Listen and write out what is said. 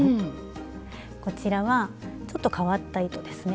こちらはちょっと変わった糸ですね。